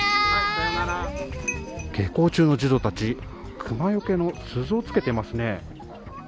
下校中の児童たち、熊よけの鈴をつけていますね。